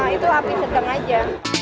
itu api sedang aja